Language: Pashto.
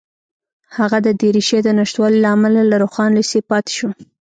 هغه د دریشۍ د نشتوالي له امله له روښان لېسې پاتې شو